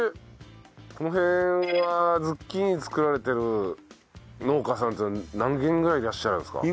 この辺はズッキーニ作られてる農家さんって何軒ぐらいいらっしゃるんですか？